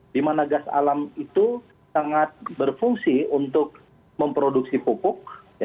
dimana gas alam itu sangat berfungsi untuk memproduksi pupuk